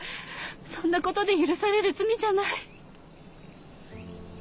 そんな事で許される罪じゃない！